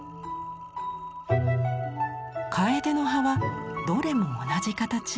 楓の葉はどれも同じ形。